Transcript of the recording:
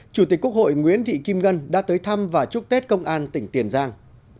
chủ tịch quốc hội nguyễn thị kim ngân đã tới thăm và chúc tết công an tỉnh tiền giang